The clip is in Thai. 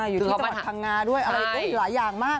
อยู่ที่จังหวัดพังงาด้วยอะไรหลายอย่างมาก